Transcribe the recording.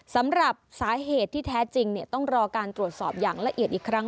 สำหรับสาเหตุที่แท้จริงต้องรอการตรวจสอบอย่างละเอียดอีกครั้ง